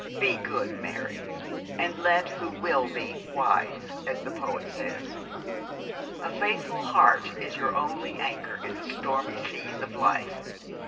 "Be good," Mary, "and let who will be wise," as the poet says. A faithful heart is your only anchor in the stormy seas of life.